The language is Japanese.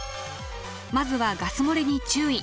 まずはガス漏れに注意。